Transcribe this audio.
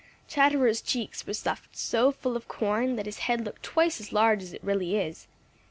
Chatterer's cheeks were stuffed so full of corn that his head looked twice as large as it really is.